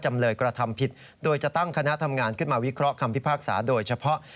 จำเลยกระทำผิดโดยจะตั้งคณะทำงานขึ้นมาวิเคราะห์คำพิพากษาโดยเฉพาะ